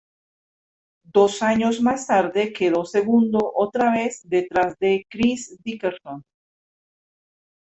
Dos años más tarde quedó segundo otra vez detrás de Chris Dickerson.